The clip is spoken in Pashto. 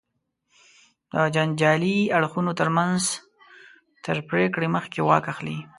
د جنجالي اړخونو تر منځ تر پرېکړې مخکې واک اخلي.